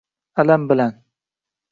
Alam bilan